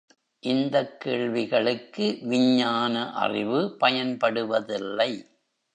இந்தக் கேள்விகளுக்கு விஞ்ஞான அறிவு பயன்படுவதில்லை.